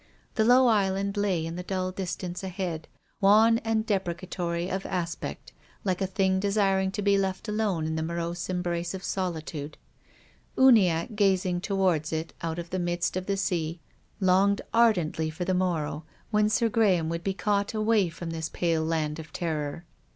The low island lay in the dull distance ahead, wan and deprecatory of aspect, like a thing THE GRAVE. 103 desirincf to be left alone in the morose embrace of solitude. Uniacke, gazing towards it out of the midst of the sea, longed ardently for the morrow when Sir Graham would be caught away from this pale land of terror.